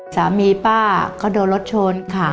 สามีป้าก็โดรตชนค่ะ